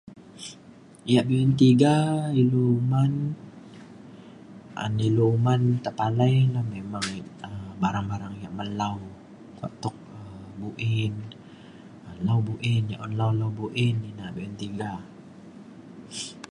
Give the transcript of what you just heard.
Yak be’un tiga ilu uman an ilu uman tepalai na memang um barang barang yak melau kuak tuk um buin lau buin yak un lau lau buin ina be’un tiga